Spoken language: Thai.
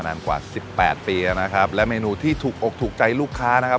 นานกว่าสิบแปดปีแล้วนะครับและเมนูที่ถูกอกถูกใจลูกค้านะครับ